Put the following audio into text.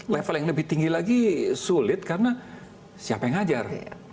level yang lebih tinggi lagi sulit karena siapa yang ngajar